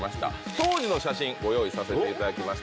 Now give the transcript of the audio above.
当時の写真をご用意させていただきました。